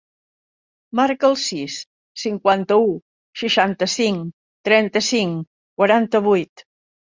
Marca el sis, cinquanta-u, seixanta-cinc, trenta-cinc, quaranta-vuit.